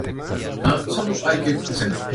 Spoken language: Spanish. El bocado más popular es el bollo de chuleta de cerdo.